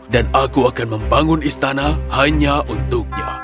dan aku akan membangun istana hanya untuknya